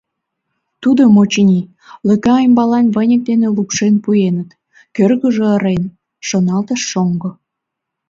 «Тудым, очыни, лӧка ӱмбалан выньык дене лупшен пуэныт, кӧргыжӧ ырен», — шоналтыш шоҥго.